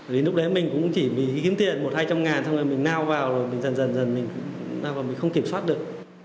lúc đấy mình cũng chỉ kiếm tiền một hai trăm linh ngàn xong rồi mình nao vào rồi dần dần mình không kiểm soát được